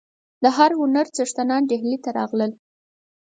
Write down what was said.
د هر هنر څښتنان ډهلي ته راغلل.